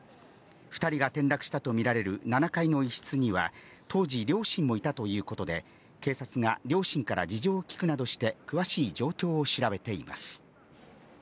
２人が転落したと見られる７階の一室には、当時、両親もいたということで、警察が両親から事情をきくなどして詳しい状況を調べています。